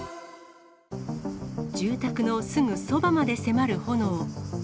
住宅のすぐそばまで迫る炎。